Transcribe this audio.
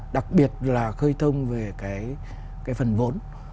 đặc biệt là khơi thông về cái phần vốn